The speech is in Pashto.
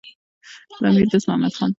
امیر دوست محمد خان د بارکزايي کورنۍ څخه و.